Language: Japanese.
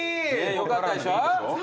よかったでしょ。